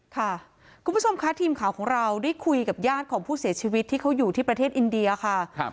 ค่ะคุณผู้ชมค่ะทีมข่าวของเราได้คุยกับญาติของผู้เสียชีวิตที่เขาอยู่ที่ประเทศอินเดียค่ะ